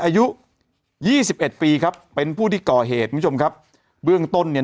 อายุยี่สิบเอ็ดปีครับเป็นผู้ที่ก่อเหตุคุณผู้ชมครับเบื้องต้นเนี่ย